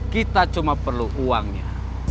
kita cuma perlu uangnya